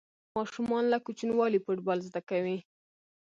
ماشومان له کوچنیوالي فوټبال زده کوي.